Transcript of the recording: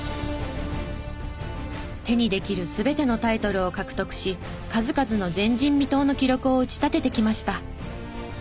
手にできる全てのタイトルを獲得し数々の前人未到の記録を打ち立ててきました。